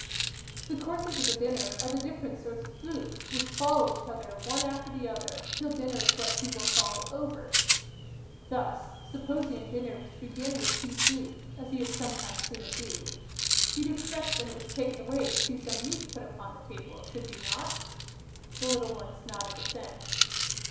The courses of a dinner are the different sorts of food, which follow each other one after the other, till dinner is what people call 'over.' Thus, supposing a dinner was to begin with pea soup, as you have sometimes seen it do, you would expect when it was taken away to see some meat put upon the table, should you not?" The little ones nodded assent.